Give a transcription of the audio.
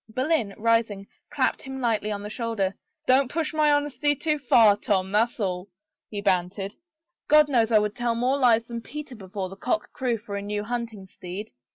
" Boleyn, rising, clapped him lightly on the shoulder.. Don't push my honesty too far, Tom, that's all," he bantered. " God knows I would tell onore lies than Peter before the cock crew for a new hunting steed.